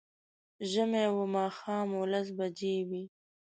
ژمی و، ماښام و، لس بجې وې